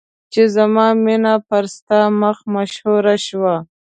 چې زما مینه پر ستا مخ مشهوره شوه.